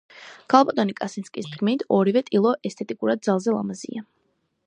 ქალბატონი კასინსკის თქმით, ორივე ტილო ესთეტურად ძალზე ლამაზია.